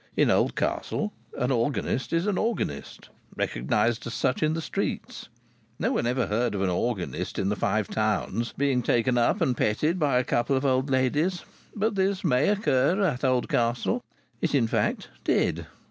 In Oldcastle an organist is an organist, recognized as such in the streets. No one ever heard of an organist in the Five Towns being taken up and petted by a couple of old ladies. But this may occur at Oldcastle. It, in fact, did.